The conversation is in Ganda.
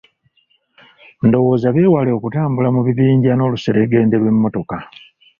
Ndowooza beewale okutambula mu bibinja n'oluseregende lw'emmotoka.